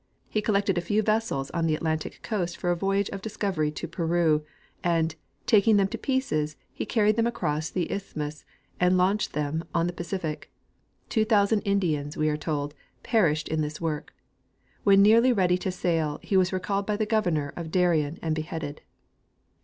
He collected a few vessels on the Atlantic coast for a voyage of discovery to Peru, and, taking them to pieces, he carried them across the isthmus and launched them on the Pacific. Two thousand Indians, we are told, perished in this work. When nearly ready to sail he was recalled by the governor of Darien and beheaded.